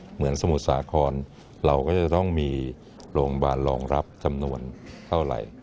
เหมือนสมุทรสาครเราก็จะต้องมีโรงพยาบาลรองรับจำนวนเท่าไหร่